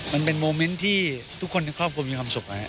มันเป็นโมเมนต์ที่ทุกคนในครอบครัวมีความสุข